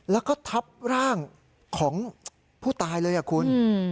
แล้วก็ทับร่างของผู้ตายเลยคุณ